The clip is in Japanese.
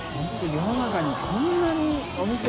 榲世の中にこんなにお店。